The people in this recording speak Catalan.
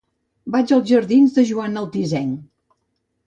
Vaig als jardins de Joan Altisent.